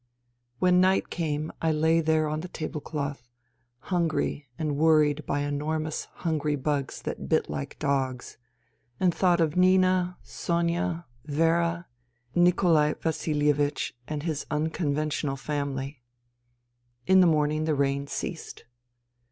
When night came I lay there on the table cloth, hungry and worried by enormous hungry bugs that bit like dogs, and thought of Nina, Sonia, Vera, Nikolai Vasilievich and his unconventional family. In the morning the rain ceased.